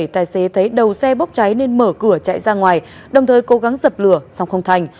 tài xế thấy đầu xe bốc cháy nên mở cửa chạy ra ngoài đồng thời cố gắng dập lửa xong không thành